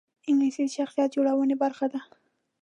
انګلیسي د شخصیت جوړونې برخه ده